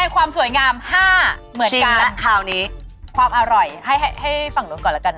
ความอร่อยให้ฝั่งรสก่อนแล้วกัน